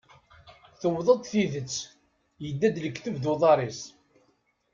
Tewweḍ-d tidet, yedda-d lekdeb d uḍar-is.